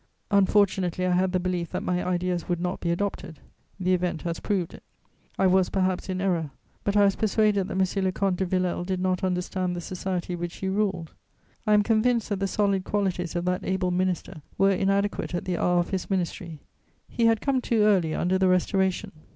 Unfortunately, I had the belief that my ideas would not be adopted; the event has proved it. I was, perhaps, in error, but I was persuaded that M. le Comte de Villèle did not understand the society which he ruled; I am convinced that the solid qualities of that able minister were inadequate at the hour of his ministry: he had come too early under the Restoration.